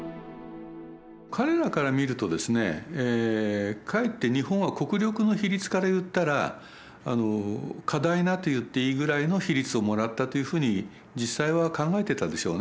彼らから見るとですねかえって日本は国力の比率からいったら過大なと言っていいぐらいの比率をもらったというふうに実際は考えてたでしょうね。